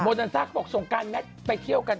โบนทันซากบอกส่งการแน็ตไปเที่ยวกัน